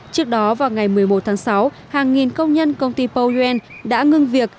trước đó vào ngày một mươi một tháng sáu hàng nghìn công nhân công ty powel đã ngưng việc